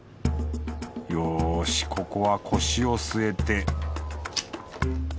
よしここは腰を据えて。